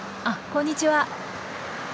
あっこんにちは。